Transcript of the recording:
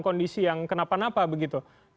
kondisi yang kenapa napa begitu